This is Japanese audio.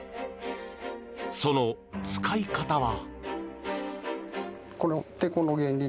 その使い方は。